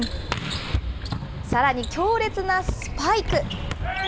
さらに強烈なスパイク。